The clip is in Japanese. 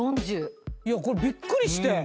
これびっくりして。